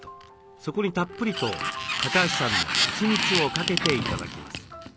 そこにたっぷりと橋さんのはちみつをかけて頂きます。